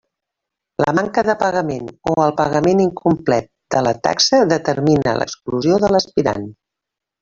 La manca de pagament o el pagament incomplet de la taxa determina l'exclusió de l'aspirant.